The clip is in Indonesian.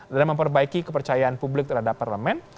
dan memperbaiki kepercayaan publik terhadap parlemen